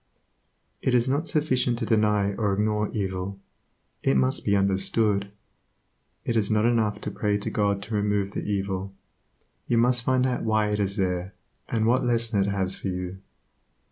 It is not sufficient to deny or ignore evil; it must be understood. It is not enough to pray to God to remove the evil; you must find out why it is there, and what lesson it has for you.